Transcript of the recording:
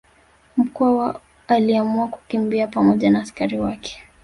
Mkwawa aliamua kukimbia pamoja na askari wake